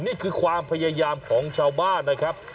นี่คือความพยายามของชาวบ้านนะครับ